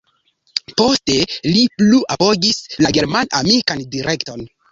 Poste li plu apogis la german-amikan direkton.